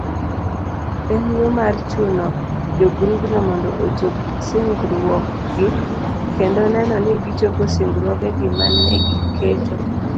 En yo mar chuno jogrubno mondo ochop singruokgi kendo neno ni gichopo singruogegi manegiketo